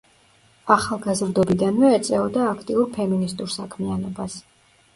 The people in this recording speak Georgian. ახალგაზრდობიდანვე ეწეოდა აქტიურ ფემინისტურ საქმიანობას.